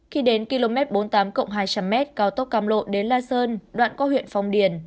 khi đến km bốn mươi tám hai trăm linh m cao tốc cam lộ đến la sơn đoạn qua huyện phong điền